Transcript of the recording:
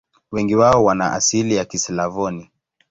Wengi wao wana asili ya Kislavoni.